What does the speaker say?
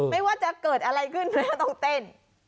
ไม่ว่าจะเกิดอะไรขึ้นแม่ต้องเต้น